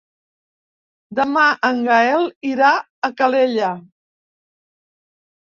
Demà en Gaël irà a Calella.